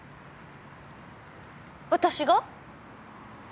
私が？